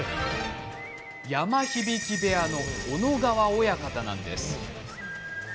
山響部屋の小野川親方なんです。